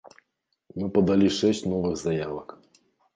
Мы падалі шэсць новых заявак.